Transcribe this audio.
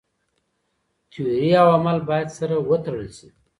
تيوري او عمل بايد سره وتړل سي.